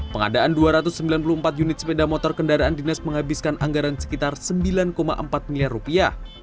pengadaan dua ratus sembilan puluh empat unit sepeda motor kendaraan dinas menghabiskan anggaran sekitar sembilan empat miliar rupiah